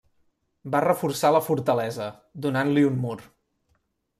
Va reforçar la fortalesa, donant-li un mur.